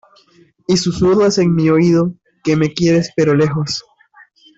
Y susurras en mi oído que me quieres, pero lejos.